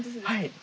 はい。